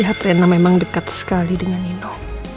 lihat rena memang dekat sekali dengan nino